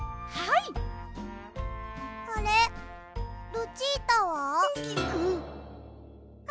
ルチータは？